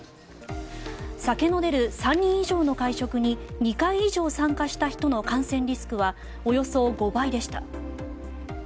酒の出る３人以上の会食に２回以上参加した人の感染リスクはおよそ５倍でした。